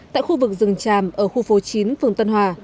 tại khu vực rừng tràm ở khu phố chín phường tân hòa